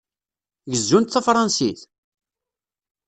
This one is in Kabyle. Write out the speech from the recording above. Gezzunt tafṛensit?